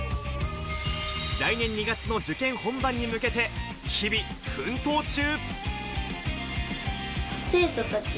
来年２月の受験本番に向けて、日々奮闘中。